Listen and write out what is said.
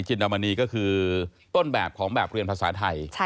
อมณีก็คือต้นแบบของแบบเรียนภาษาไทย